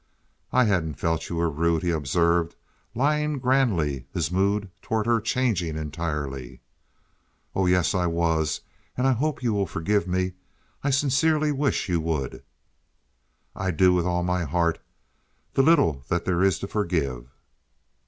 "I hadn't felt you were rude," he observed, lying grandly, his mood toward her changing entirely. "Oh yes I was, and I hope you will forgive me. I sincerely wish you would." "I do with all my heart—the little that there is to forgive."